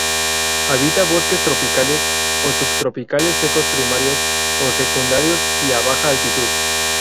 Habita bosques tropicales o subtropicales secos primarios o secundarios y a baja altitud.